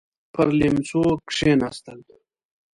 پر ليمڅو کېناستل.